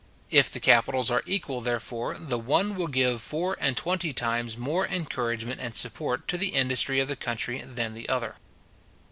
If the capitals are equal, therefore, the one will give four and twenty times more encouragement and support to the industry of the country than the other.